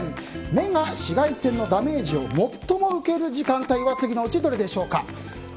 目が紫外線のダメージを最も受ける時間帯は次のうちどれでしょうか。